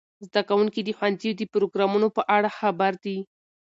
زده کوونکي د ښوونځي د پروګرامونو په اړه خبر دي.